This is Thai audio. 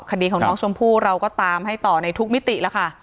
คดีของน้องชมพู่เราก็ตามให้ต่อในทุกมิติแล้วค่ะ